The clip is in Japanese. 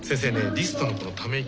リストのこの「ため息」。